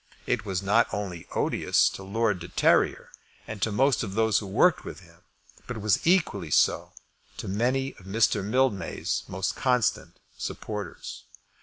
It was not only odious to Lord de Terrier and to most of those who worked with him, but was equally so to many of Mr. Mildmay's most constant supporters.